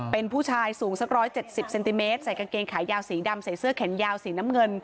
เป็นผู้ชายสูงสัก๑๗๐เซนติเมตรใส่กางเกงขายาวสีดำใส่เสื้อแขนยาวสีน้ำเงิน